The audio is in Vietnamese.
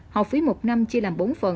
học phí một năm chia làm bốn phần